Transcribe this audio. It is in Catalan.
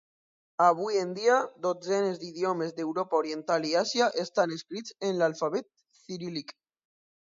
Avui en dia, dotzenes d'idiomes d'Europa oriental i Àsia estan escrits en l'alfabet ciríl·lic.